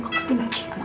aku benci sama kamu